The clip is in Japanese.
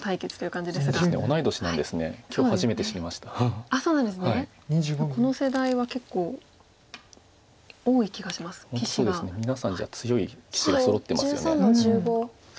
じゃあ強い棋士がそろってますよね。